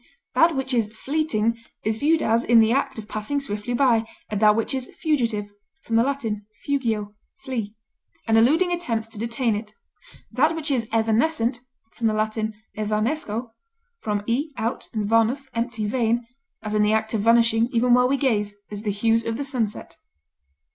That which is fleeting is viewed as in the act of passing swiftly by, and that which is fugitive (L. fugio, flee) as eluding attempts to detain it; that which is evanescent (L. evanesco, from e, out, and vanus, empty, vain) as in the act of vanishing even while we gaze, as the hues of the sunset.